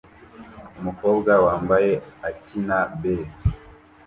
Umukobwa wambaye akina bass